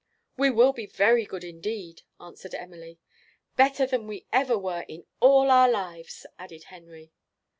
"We will be very good indeed," answered Emily. "Better than we ever were in all our lives," added Henry.